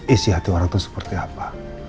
isi hati orang itu seperti apa